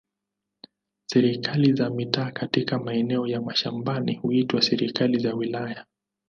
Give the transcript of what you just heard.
Serikali za mitaa katika maeneo ya mashambani huitwa serikali za wilaya.